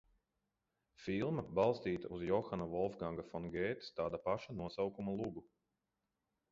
Filma balstīta uz Johana Volfganga fon Gētes tāda pašā nosaukuma lugu.